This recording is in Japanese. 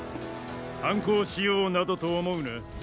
反抗しようなどと思うな。